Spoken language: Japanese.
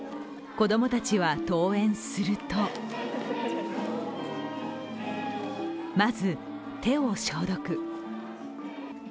子供たちは登園するとまず手を消毒。